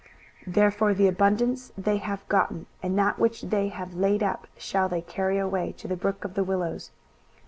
23:015:007 Therefore the abundance they have gotten, and that which they have laid up, shall they carry away to the brook of the willows.